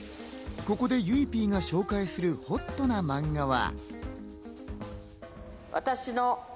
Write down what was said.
ここで、ゆいＰが紹介する、ほっとなマンガは。